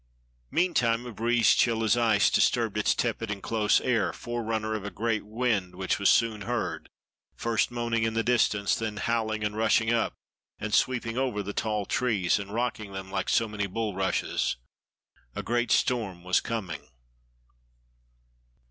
Meantime a breeze chill as ice disturbed its tepid and close air, forerunner of a great wind which was soon heard, first moaning in the distance, then howling and rushing up, and sweeping over the tall trees and rocking them like so many bulrushes. A great storm was coming.